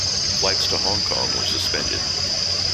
Flights to Hong Kong were suspended.